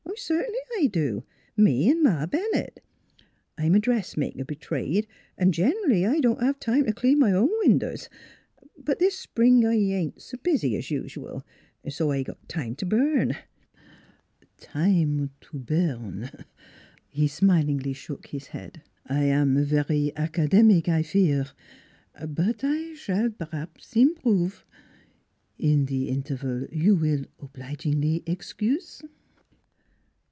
"" Cert'nly I do me an' Ma Bennett. I'm a dressmaker b' trade, an' gen'ally I don't have NEIGHBORS 77 time t' clean my own windows; but this spring I I ain't s' busy 's usual so I got time t' burn." "Time to burn?" He smilingly shook his head. " I am very academic, I fear. But I s'all per haps improve; in the interval you will obligingly excuse?